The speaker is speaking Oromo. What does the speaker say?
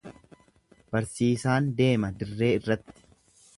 Barsiisaan deema dirree irratti.